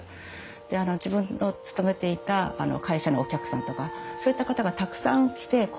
で自分の勤めていた会社のお客さんとかそういった方がたくさん来て交流されてた。